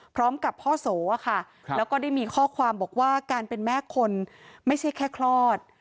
พร้อมกับพ่อโสค่ะแล้วก็ได้มีข้อความบอกว่าการเป็นแม่คนไม่ใช่แค่คลอด